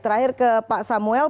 terakhir ke pak samuel